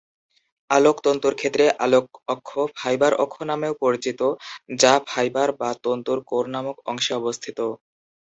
আলোক তন্তুর ক্ষেত্রে আলোক অক্ষ "ফাইবার অক্ষ" নামেও পরিচিত, যা ফাইবার বা তন্তুর কোর নামক অংশে অবস্থিত।